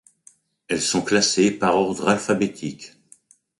Elles sont classées par ordre alphabétique.